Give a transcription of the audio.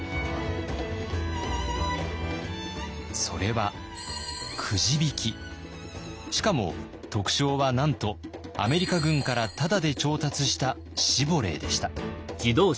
それはしかも特賞はなんとアメリカ軍からタダで調達したシボレーでした。